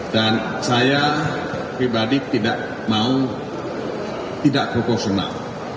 dan saya pribadi tidak mau tidak proporsional